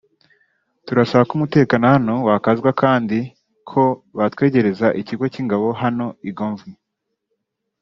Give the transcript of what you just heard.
“Turasaba ko umutekano hano wakazwa kandi ko batwegereza ikigo cy’ingabo hano i Gomvyi